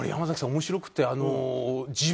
面白くて。